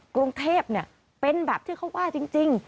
กรุงเทพเป็นแบบที่เขาว่าจริง